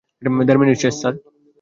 দেড় মিনিট শেষ।